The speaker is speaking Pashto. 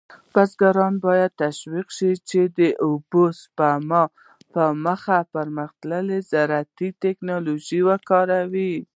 بزګران باید تشویق شي چې د اوبو سپما په موخه پرمختللې زراعتي تکنالوژي وکاروي.